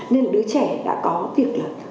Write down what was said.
nên là đứa trẻ đã có việc là